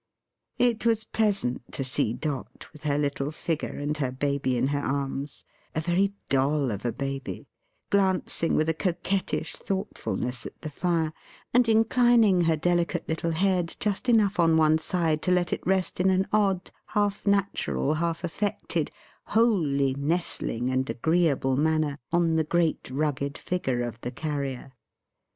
It was pleasant to see Dot, with her little figure and her Baby in her arms: a very doll of a Baby: glancing with a coquettish thoughtfulness at the fire, and inclining her delicate little head just enough on one side to let it rest in an odd, half natural, half affected, wholly nestling and agreeable manner, on the great rugged figure of the Carrier.